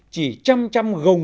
chỉ trăm trăm gồm